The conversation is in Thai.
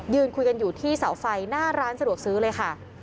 คุยกันอยู่ที่เสาไฟหน้าร้านสะดวกซื้อเลยค่ะ